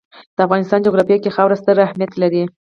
د افغانستان جغرافیه کې خاوره ستر اهمیت لري.